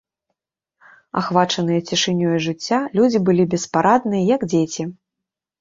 Ахвачаныя цішынёю жыцця, людзі былі беспарадныя, як дзеці.